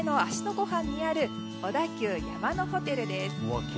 湖畔にある小田急山のホテルです。